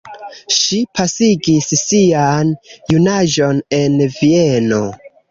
Ŝi pasigis sian junaĝon en Vieno.